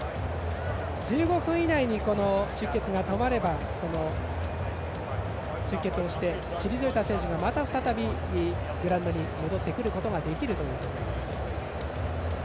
１５分以内に出血が止まれば出血をして退いた選手が再びグラウンドに戻ってくるができるということです。